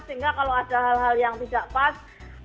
sehingga kalau ada hal hal yang tidak pas